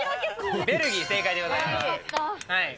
ベルギー、正解でございます。